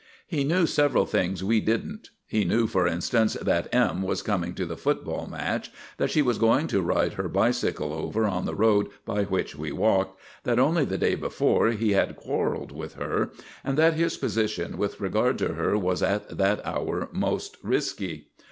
He knew several things we didn't. He knew, for instance, that M. was coming to the football match, that she was going to ride her bicycle over on the road by which we walked, that only the day before he had quarrelled with her, and that his position with regard to her was at that hour most risky.